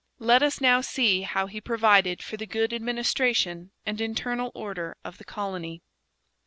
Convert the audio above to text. Let us now see how he provided for the good administration and internal order of the colony.